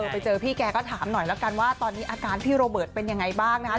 ไปเจอพี่แกก็ถามหน่อยแล้วกันว่าตอนนี้อาการพี่โรเบิร์ตเป็นยังไงบ้างนะคะ